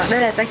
đây là cái dấu